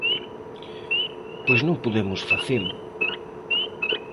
Pois non podemos facelo.